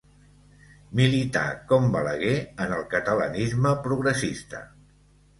Milità, com Balaguer, en el catalanisme progressista.